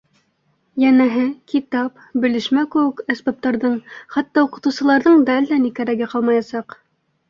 Йәнәһе, китап, белешмә кеүек әсбаптарҙың, хатта уҡытыусыларҙың да әллә ни кәрәге ҡалмаясаҡ.